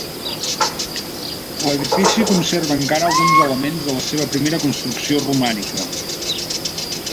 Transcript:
L'edifici conserva encara alguns elements de la seva primera construcció romànica.